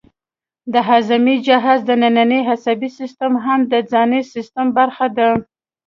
د هاضمې جهاز دنننی عصبي سیستم هم د ځانی سیستم برخه ده